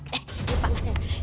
eh lupa lupa